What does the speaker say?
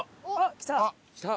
来た！